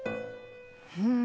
うん。